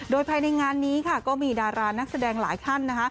โดยภายในงานนี้ก็มีดารานักแสดงหลายท่าน